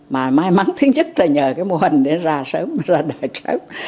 mà may mắn thứ nhất là nhờ cái mô hình đấy ra sớm ra đời sớm